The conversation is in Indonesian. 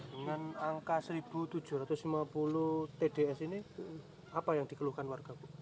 dengan angka satu tujuh ratus lima puluh tds ini apa yang dikeluhkan warga bu